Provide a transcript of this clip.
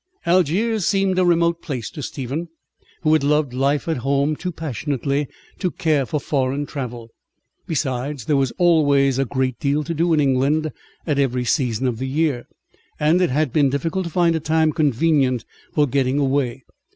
Algiers seemed a remote place to Stephen, who had loved life at home too passionately to care for foreign travel. Besides, there was always a great deal to do in England at every season of the year, and it had been difficult to find a time convenient for getting away.